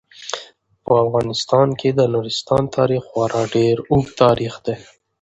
په افغانستان کې د نورستان تاریخ خورا ډیر اوږد تاریخ دی.